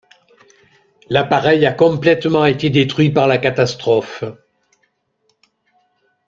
L'appareil a complètement été détruit par la catastrophe.